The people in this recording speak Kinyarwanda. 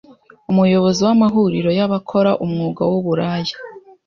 Umuyobozi w’amahuriro y’abakora umwuga w’uburaya